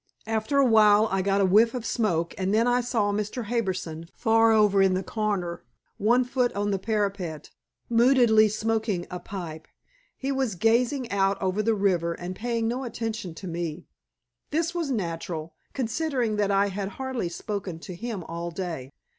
After a while, I got a whiff of smoke, and then I saw Mr. Harbison far over in the corner, one foot on the parapet, moodily smoking a pipe. He was gazing out over the river, and paying no attention to me. This was natural, considering that I had hardly spoken to him all day.